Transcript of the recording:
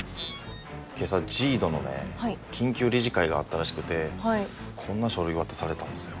今朝ＪＩＤＯのね緊急理事会があったらしくてこんな書類渡されたんですよ。